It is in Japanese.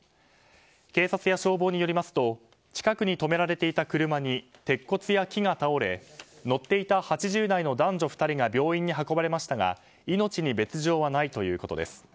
警察や消防によりますと近くに止められていた車に鉄骨や木が倒れ乗っていた８０代の男女２人が病院に運ばれましたが命に別条はないということです。